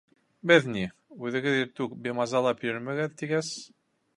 Беҙ ни, үҙегеҙ иртүк бимазалап йөрөмәгеҙ, тигәс...